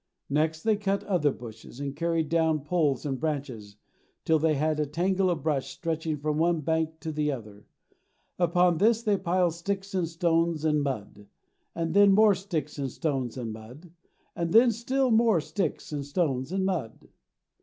Next they cut other bushes, and carried down poles and branches, till they had a tangle of brush stretching from one bank to the other. Upon this they piled sticks and stones and mud, and then more sticks and stones and mud, and then still more sticks and stones and mud.